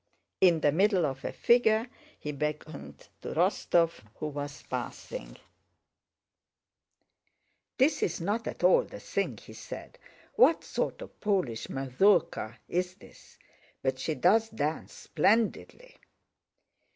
In the middle of a figure he beckoned to Rostóv who was passing: "This is not at all the thing," he said. "What sort of Polish mazuwka is this? But she does dance splendidly."